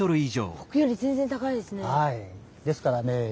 ですからね